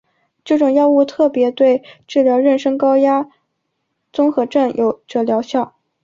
这种药物特别对治疗妊娠高血压综合征有着疗效。